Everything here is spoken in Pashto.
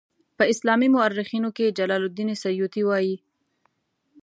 په اسلامي مورخینو کې جلال الدین سیوطي وایي.